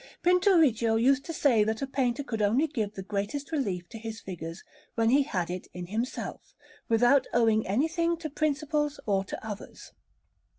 Pinturicchio used to say that a painter could only give the greatest relief to his figures when he had it in himself, without owing anything to principles or to others.